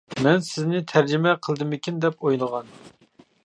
مەن سىزنى تەرجىمە قىلدىمىكىن دەپ ئويلىغان.